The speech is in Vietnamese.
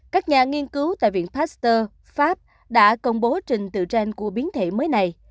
các nhà nghiên cứu tại viện pasteur pháp đã công bố trình tự trang của biến thể mới này